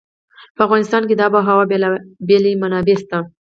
په افغانستان کې د آب وهوا بېلابېلې منابع شته.